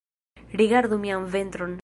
Rigardu mian ventron